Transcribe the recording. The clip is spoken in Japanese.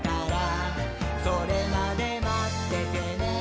「それまでまっててねー！」